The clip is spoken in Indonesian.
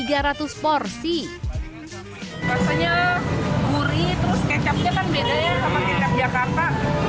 rasanya gurih terus kecapnya kan bedanya sama kicap jakarta